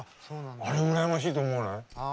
あれ、羨ましいと思わない？